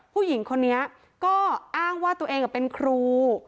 ผู้หญิงคนนี้ก็อ้างว่าตัวเองเป็นครู